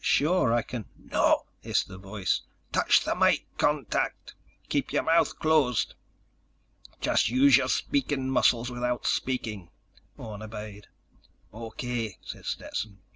"Sure. I can—" "No!" hissed the voice. "Touch the mike contact. Keep your mouth closed. Just use your speaking muscles without speaking." Orne obeyed. "O.K.," said Stetson.